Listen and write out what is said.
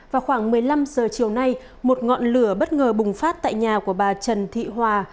vào khoảng một mươi năm h chiều nay một ngọn lửa bất ngờ bùng phát tại nhà của bà trần thị hòa